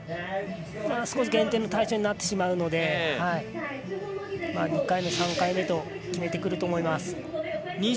少し減点の対象になってしまうので２回目、３回目と決めてくると思います。